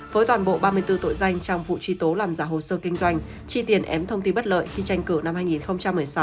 với toàn bộ ba mươi bốn tội danh trong vụ truy tố làm giả hồ sơ kinh doanh chi tiền ém thông tin bất lợi khi tranh cử năm hai nghìn một mươi sáu